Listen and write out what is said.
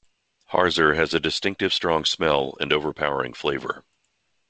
Harzer has a distinctive strong smell and overpowering flavour.